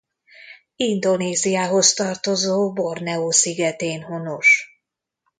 Indonéziához tartozó Borneó szigetén honos.